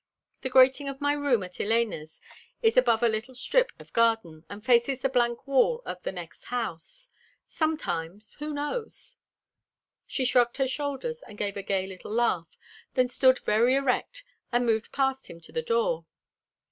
The grating of my room at Elena's is above a little strip of Garden, and faces the blank wall of the next house. Sometimes who knows?" She shrugged her shoulders and gave a gay little laugh, then stood very erect and moved past him to the door.